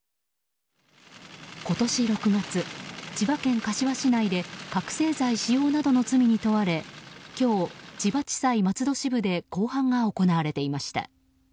今年６月、千葉県柏市内で覚醒剤使用などの罪に問われ今日、千葉地裁松戸支部で公判が行われていました。